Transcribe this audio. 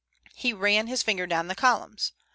He ran his finger down the columns.